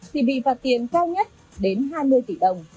thì bị phạt tiền cao nhất đến hai mươi tỷ đồng